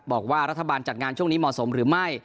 บอกว่ารัฐบาลจัดงานช่วงนี้เหมาะสมหรือไม่